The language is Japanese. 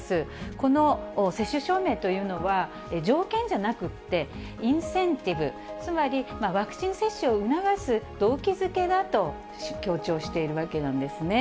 この接種証明というのは条件じゃなくって、インセンティブ、つまりワクチン接種を促す動機づけだと強調しているわけなんですね。